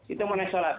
itu mengenai sholat